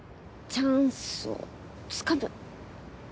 チャンスをつかむ！